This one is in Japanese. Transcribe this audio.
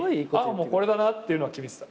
もうこれだなっていうのは決めてた。